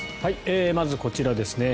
まず、こちらですね。